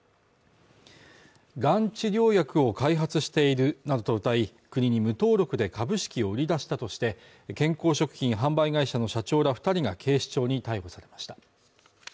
がん治療薬を開発しているなどとうたい、国に無登録で株式を売り出したとして健康食品販売会社の社長ら２人が警視庁に逮捕されました。